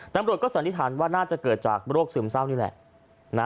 ตำรวจก็สันนิษฐานว่าน่าจะเกิดจากโรคซึมเศร้านี่แหละ